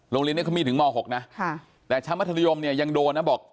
โรงเรียนนี้เขามีถึงม๖นะแต่ชั้นมัธยมเนี่ยยังโดนนะบอก